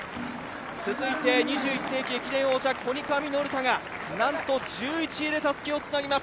続いて２１世紀駅伝王者コニカミノルタがなんと１１位でたすきをつなぎます。